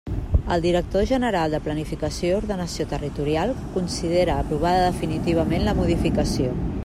El director general de Planificació i Ordenació Territorial considera aprovada definitivament la modificació.